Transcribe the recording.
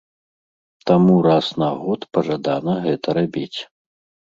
Таму раз на год пажадана гэта рабіць.